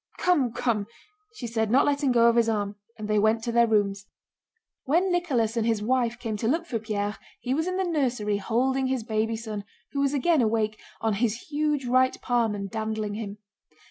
"Come, come!" she said, not letting go of his arm. And they went to their rooms. When Nicholas and his wife came to look for Pierre he was in the nursery holding his baby son, who was again awake, on his huge right palm and dandling him.